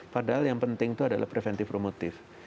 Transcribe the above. padahal yang penting itu adalah preventif promotif